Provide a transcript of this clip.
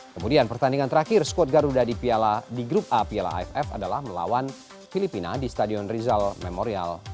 kemudian pertandingan terakhir skuad garuda di grup a piala aff adalah melawan filipina di stadion rizal memorial